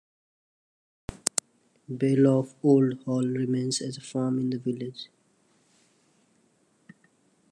Bylaugh Old Hall remains as a farm in the village.